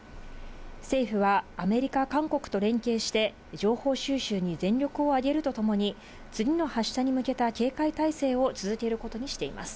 政府はアメリカ、韓国と連携して、情報収集に全力を挙げるとともに、次の発射に向けた警戒態勢を続けることにしています。